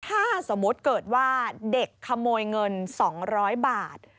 ถ้าสมมติเกิดว่าเด็กขโมยเงินสองร้อยบาท